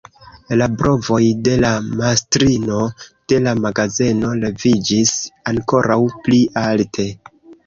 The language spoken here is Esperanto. La brovoj de la mastrino de la magazeno leviĝis ankoraŭ pli alte.